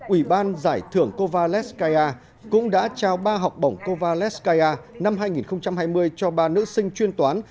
ủy ban giải thưởng covalescaia cũng đã trao ba học bổng covalescaia năm hai nghìn hai mươi cho ba nữ sinh chuyên toán